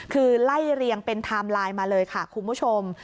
คือไล่เรียงเป็นไทม์ไลน์มาเลยค่ะคุณผู้ชม